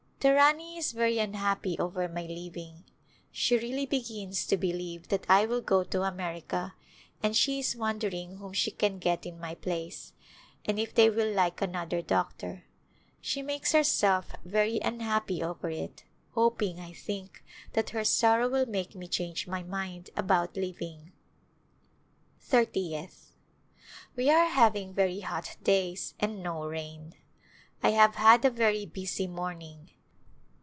The Rani is very unhappy over my leaving. She really begins to believe that I will go to America, and she is wondering whom she can get in my place, and if they will like another doctor. She makes herself very unhappy over it, hoping, I think, that her sorrow will make me change my mind about leaving. Thirtieth. We are having very hot days and no rain. I have had a very busy morning.